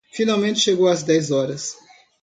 Finalmente chegou às dez horas